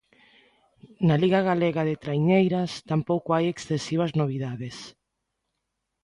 Na Liga Galega de Traiñeiras tampouco hai excesivas novidades.